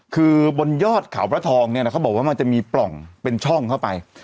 คือบนยอดเขาพระทองเนี่ยนะเขาบอกว่ามันจะมีปล่องเป็นช่องเข้าไป